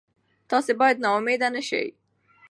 تاسي باید نا امیده نه شئ.